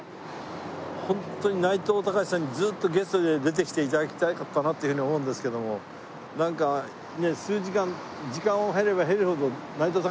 ホントに内藤剛志さんにずっとゲストで出てきて頂きたかったなっていうふうに思うんですけどもなんかね数時間時間を経れば経るほど。